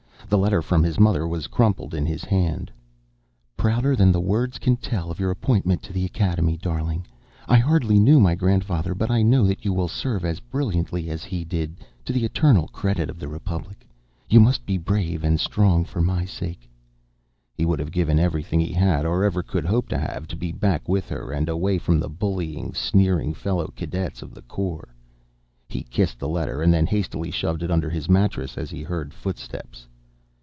The letter from his mother was crumpled in his hand: " prouder than words can tell of your appointment to the Academy. Darling, I hardly knew my grandfather but I know that you will serve as brilliantly as he did, to the eternal credit of the Republic. You must be brave and strong for my sake " He would have given everything he had or ever could hope to have to be back with her, and away from the bullying, sneering fellow cadets of the Corps. He kissed the letter and then hastily shoved it under his mattress as he heard footsteps.